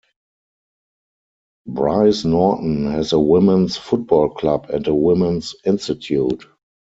Brize Norton has a women's Football Club and a Women's Institute.